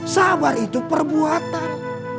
sabar itu perbuatan